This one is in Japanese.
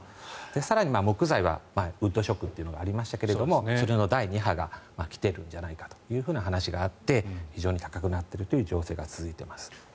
更に木材はウッドショックがありましたがそれの第２波が来ているんじゃないかという話があって高くなっている情勢が続いています。